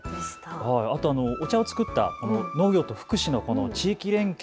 お茶を作った農業と福祉の地域連携。